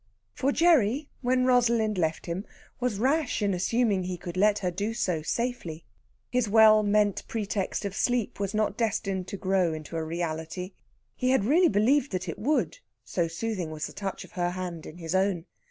For Gerry, when Rosalind left him, was rash in assuming he could let her do so safely. His well meant pretext of sleep was not destined to grow into a reality. He had really believed that it would, so soothing was the touch of her hand in his own.